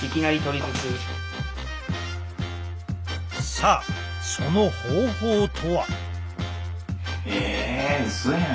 さあその方法とは？